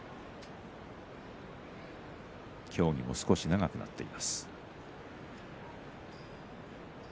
協議も少し長くなっています。